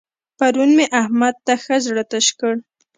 پرون مې احمد ته ښه زړه تش کړ.